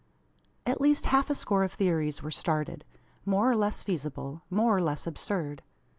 At least half a score of theories were started more or less feasible more or less absurd.